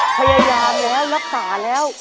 พี่ย่ายามักรักษาแล้ว